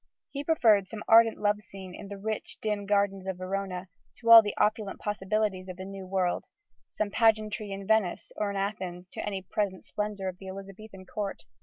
He preferred some ardent love scene in the rich, dim gardens of Verona to all the opulent possibilities of the New World: some pageantry in Venice or in Athens to any present splendour of the Elizabethan court.